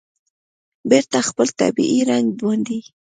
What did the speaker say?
بېرته خپل طبیعي رنګ باندې